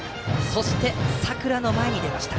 そして、佐倉の前に出ました。